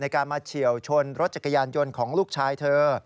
การมาเฉียวชนรถจักรยานยนต์ของลูกชายเธอ